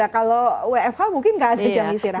kalau wfh mungkin nggak ada jam istirahat